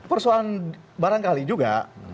persoalan barangkali juga